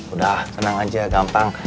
udah seneng aja gampang